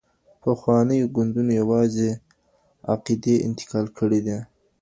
پخوانيو ګوندونو یوازي عقدې انتقال کړې دي.